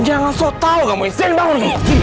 jangan sok tau kamu istighfar